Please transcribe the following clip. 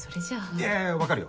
いやいやわかるよ